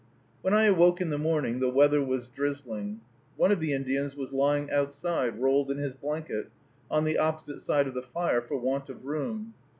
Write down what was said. When I awoke in the morning the weather was drizzling. One of the Indians was lying outside, rolled in his blanket, on the opposite side of the fire, for want of room.